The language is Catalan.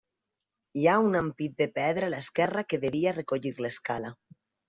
Hi ha un ampit de pedra a l'esquerra que devia recollir l'escala.